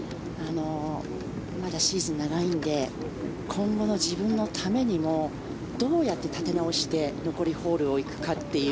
まだシーズンは長いので今後の自分のためにもどうやって立て直して残りホールを行くかという